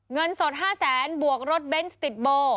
เงินสด๕๐๐๐๐๐บาทบวกรถเบนส์สติดโบ